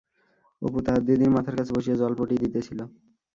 অপু তাহার দিদির মাথার কাছে বসিয়া জলপটি দিতেছিল।